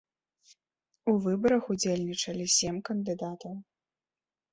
У выбарах удзельнічалі сем кандыдатаў.